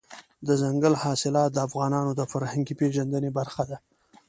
دځنګل حاصلات د افغانانو د فرهنګي پیژندنې برخه ده.